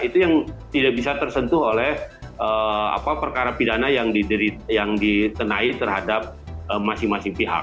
itu yang tidak bisa tersentuh oleh perkara pidana yang ditenai terhadap masing masing pihak